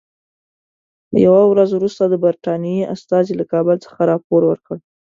یوه ورځ وروسته د برټانیې استازي له کابل څخه راپور ورکړ.